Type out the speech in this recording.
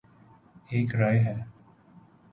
ایک رائے ہے